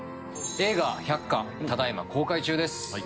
映画『百花』ただいま公開中です。